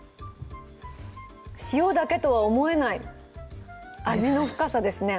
塩だけとは思えない味の深さですね